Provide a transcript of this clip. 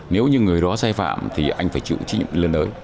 nếu như người đó sai phạm thì anh phải chịu chịu nhiệm lên nơi